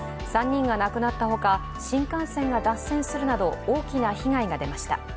３人が亡くなったほか新幹線が脱線するなど大きな被害が出ました。